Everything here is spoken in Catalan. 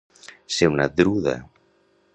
Ser una druda.